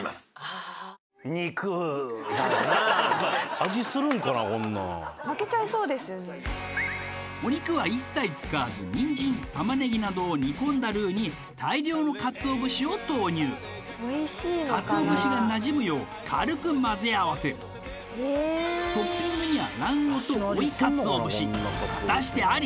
こんなんお肉は一切使わずニンジン玉ねぎなどを煮込んだルーにかつお節がなじむよう軽くまぜあわせるトッピングには卵黄と追いかつお節果たしてあり？